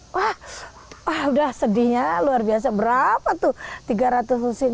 wah udah sedihnya luar biasa berapa tuh tiga ratus rusin